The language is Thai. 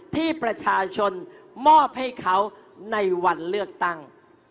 ที่ประชาชนมอบให้เขาในวันเลือกตั้ง